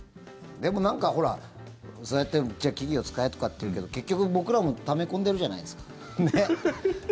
でも、そうやってじゃあ企業使えとかって言うけど結局、僕らもため込んでるじゃないですか。